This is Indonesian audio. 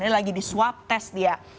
ini lagi di swab test dia